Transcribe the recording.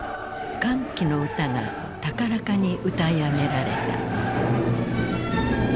「歓喜の歌」が高らかに歌い上げられた。